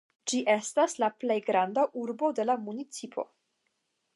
Ĝi estas la plej granda urbo de la municipo.